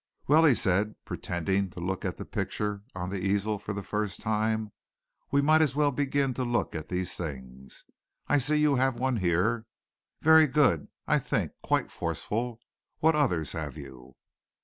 "Well," he said, pretending to look at the picture on the easel for the first time, "we might as well begin to look at these things. I see you have one here. Very good, I think, quite forceful. What others have you?"